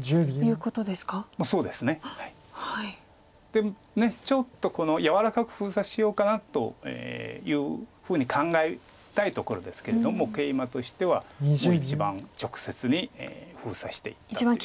でちょっと柔らかく封鎖しようかなというふうに考えたいところですけれどもケイマとしてはもう一番直接に封鎖していったっていうことです。